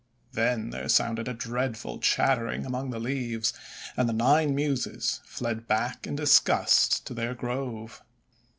Then there sounded a dreadful chattering among the leaves, and the Nine Muses, fled back in disgust, to their Grove.